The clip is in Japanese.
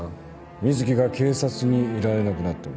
水樹が警察にいられなくなっても。